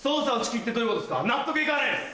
納得行かないです！